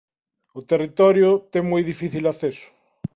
O territorio ten moi difícil acceso.